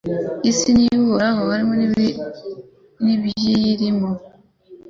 Isi ni iy’Uhoraho hamwe n’ibiyirimo